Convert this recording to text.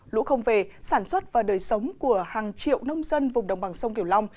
lũ không về sản xuất và đời sống của hàng triệu nông dân vùng đồng bằng sông kiều long